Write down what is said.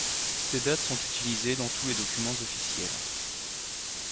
Ces dates sont utilisées dans tous les documents officiels.